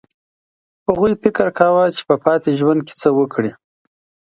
هغوی فکر کاوه چې په پاتې ژوند کې څه وکړي